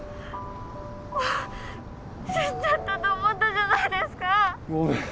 死んじゃったと思ったじゃないですか！